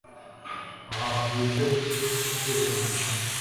ahabwa ibiryo bike ugereranyije